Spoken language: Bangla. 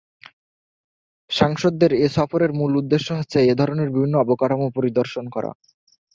সাংসদদের এ সফরের মূল উদ্দেশ্য হচ্ছে এ ধরনের বিভিন্ন অবকাঠামো পরিদর্শন করা।